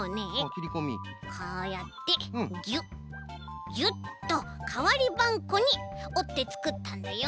こうやってギュッギュッとかわりばんこにおってつくったんだよ。